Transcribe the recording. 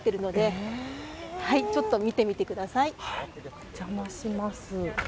お邪魔します。